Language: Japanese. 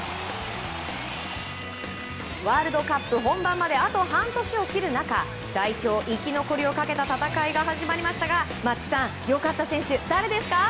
ワールドカップ本番まであと半年を切る中代表生き残りをかけた戦いが始まりましたが松木さん、良かった選手誰ですか？